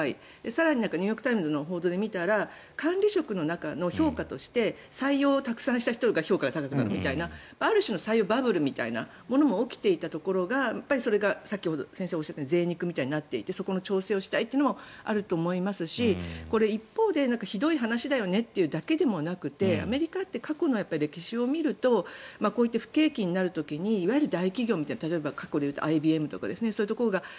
更にニューヨーク・タイムズの報道で見たら管理職の中の評価として採用をたくさんした人が評価が高くなるみたいなある種の採用バブルみたいなものも起きていたところがそれがさっき先生がおっしゃったようにぜい肉みたいになっていてそこの調整をしたいというのもあると思いますし一方でひどい話だよねというだけでもなくてアメリカって過去の歴史を見るとこういった不景気になる時にいわゆる大企業過去で言うとＩＢＭみたいなところですね